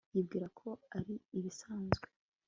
yibwira ko ari ibisanzwe